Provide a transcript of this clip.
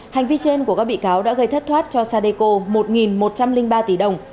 hành vi trên của các bị cáo đã gây thất thoát cho sadeco một một trăm linh ba tỷ đồng